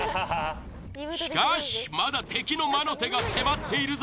しかしまだ敵の魔の手が迫っているぞ。